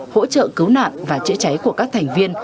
hỗ trợ cứu nạn và chữa cháy của các thành viên